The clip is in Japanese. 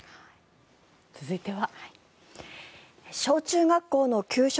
続いては。